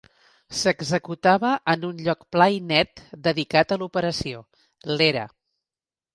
S'executava en un lloc pla i net, dedicat a l'operació: l'era.